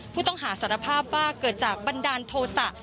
ผู้ต้องหาสารภาพว่าเกิดจากบันดาลโทษะ